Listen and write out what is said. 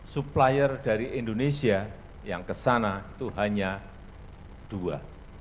supplier dari indonesia yang kesana itu hanya dua